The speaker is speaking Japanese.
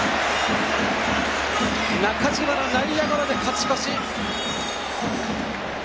中島の内野ゴロで勝ち越し。